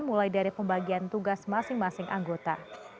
mulai dari pembagian tugas masing masing anggota